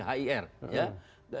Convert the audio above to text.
kalau di hir